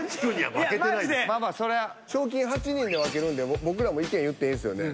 賞金８人で分けるんで僕らも意見言ってええんすよね。